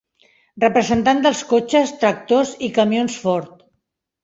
Representant dels cotxes, tractors i camions Ford.